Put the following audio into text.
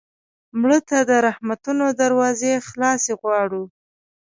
مړه ته د رحمتونو دروازې خلاصې غواړو